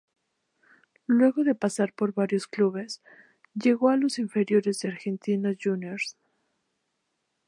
Luego de pasar por varios clubes, llegó a las inferiores de Argentinos Juniors.